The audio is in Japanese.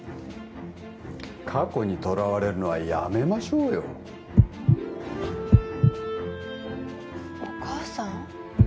過去にとらわれるのはやめましょうよお母さん？